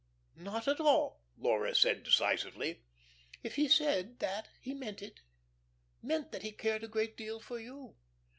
"Not at all," Laura said, decisively. "If he said that he meant it meant that he cared a great deal for you."